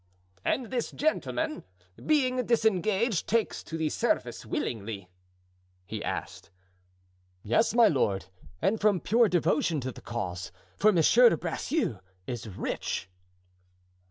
"And this gentleman, being disengaged, takes to the service willingly?" he asked. "Yes, my lord, and from pure devotion to the cause, for Monsieur de Bracieux is rich."